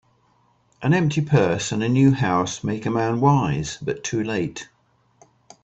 An empty purse, and a new house, make a man wise, but too late.